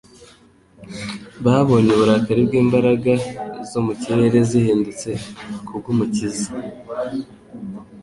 Babonye uburakari bw'imbaraga zo mu kirere zihindutse kubw'Umukiza,